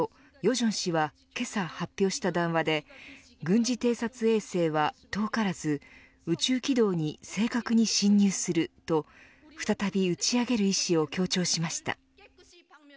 正氏は、けさ発表した談話で軍事偵察衛星は、遠からず宇宙軌道に正確に進入すると再び打ち上げる意志を強調しました。